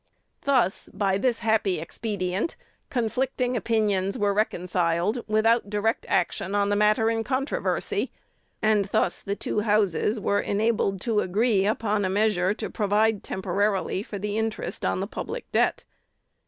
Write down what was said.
Thus, by this happy expedient, conflicting opinions were reconciled without direct action on the matter in controversy, and thus the two Houses were enabled to agree upon a measure to provide temporarily for the interest on the public debt.